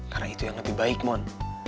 karena itu yang lebih baik mon